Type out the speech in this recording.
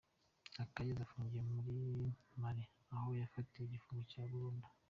Akayezu afungiye muri Mali aho yakatiwe igifungo cya burundu.